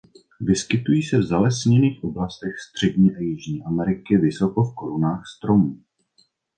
Vyskytují se v zalesněných oblastech Střední a Jižní Ameriky vysoko v korunách stromů.